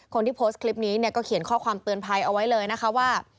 คนที่โพสต์คลิปนี้เนี่ยก็เขียนข้อความเตือนภัยเอาไว้เลยนะคะว่า